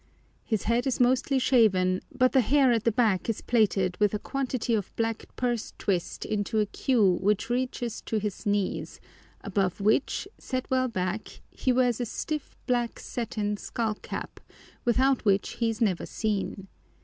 His head is mostly shaven, but the hair at the back is plaited with a quantity of black purse twist into a queue which reaches to his knees, above which, set well back, he wears a stiff, black satin skull cap, without which he is never seen.